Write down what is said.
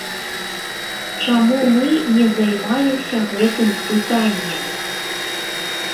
Чаму мы не займаемся гэтым пытаннем?